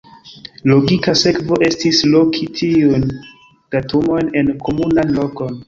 Logika sekvo estis loki tiujn datumojn en komunan lokon.